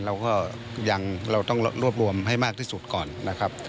เราก็ยังเราต้องรวบรวมให้มากที่สุดก่อนนะครับ